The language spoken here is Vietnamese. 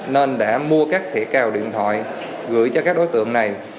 nên đã mua các thẻ cao điện thoại gửi cho các đối tượng này